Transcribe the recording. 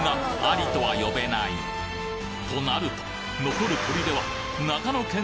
アリとは呼べないとなると残る砦は長野県